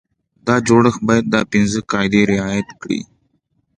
دا جوړښت باید دا پنځه قاعدې رعایت کړي.